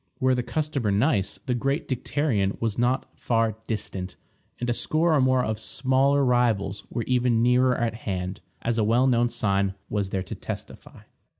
Were the customer nice, the great dicterion was not far distant, and a score or more of smaller rivals were even nearer at hand, as a well known sign was there to testify.